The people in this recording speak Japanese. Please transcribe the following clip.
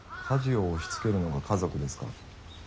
家事を押しつけるのが家族ですか？